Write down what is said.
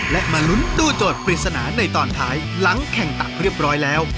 และมาลุ้นตู้โจทย์ปริศนาในตอนท้ายหลังแข่งตักเรียบร้อยแล้ว